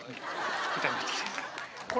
みたいになってきて。